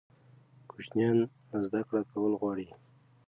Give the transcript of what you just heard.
کوچنیان زده کړه کول غواړي.